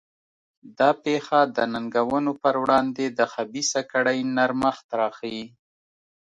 دا پېښه د ننګونو پر وړاندې د خبیثه کړۍ نرمښت راښيي.